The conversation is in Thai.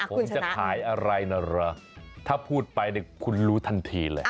คุณชนะคุณจะขายอะไรเหรอถ้าพูดไปคุณรู้ทันทีเลย